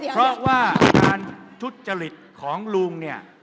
เพราะว่าการทุจริตของลุงเนี่ย